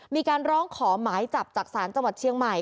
มีการร้องขอหมายจับจากศาลจังหวัดเชียงใหม่